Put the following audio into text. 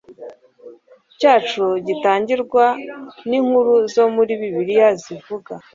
cyacu gitangirwa n’inkuru zo muri bibiliya zivuga